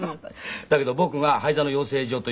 だけど僕が俳優座の養成所という所に。